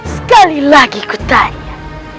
sekali lagi aku bertanya